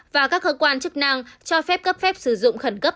và các cơ quan chức năng cho phép cấp phép sử dụng khẩn cấp